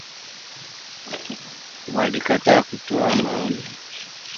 Walikataa kutoa maoni